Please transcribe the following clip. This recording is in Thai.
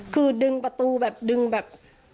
คือดึงประตูแบบดึงแบบ